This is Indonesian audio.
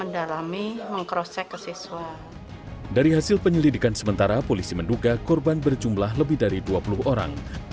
dari hasil penyelidikan sementara polisi menduga korban berjumlah lebih dari dua puluh orang